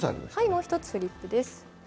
もう１つフリップです。